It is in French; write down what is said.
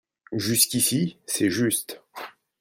Jusqu’ici, c’est juste